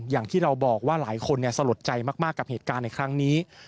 อย่างที่เราบอกว่าหลายคนสลดใจมากกับเหตุการณ์ในครั้งนี้